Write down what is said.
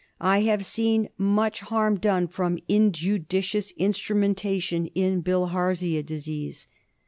I have seen much harm from injudicious instrumentation in Bilharzia disease.